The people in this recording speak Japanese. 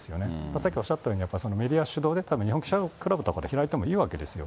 さっきおっしゃったように、メディア主導で、たぶん日本記者クラブとかで開いてもいいわけですよ。